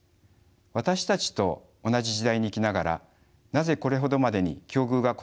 私たちと同じ時代に生きながらなぜこれほどまでに境遇が異なるのか。